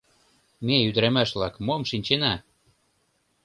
— Ме, ӱдырамаш-влак, мом шинчена?